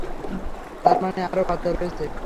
তার মানে আরও বাচ্চা রয়েছে?